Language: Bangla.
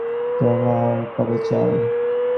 তোমার কবে চাই?